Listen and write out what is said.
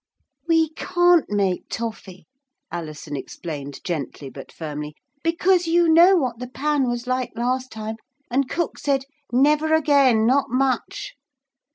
'We can't make toffee,' Alison explained gently but firmly, 'because you know what the pan was like last time, and cook said, "never again, not much."